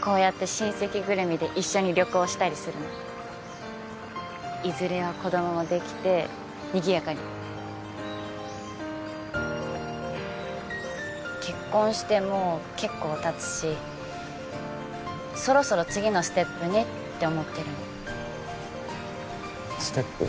こうやって親戚ぐるみで一緒に旅行したりするのいずれは子供もできてにぎやかに結婚してもう結構たつしそろそろ次のステップにって思ってるのステップ？